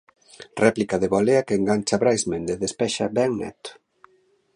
Réplica de volea que engancha Brais Méndez, despexa ben Neto...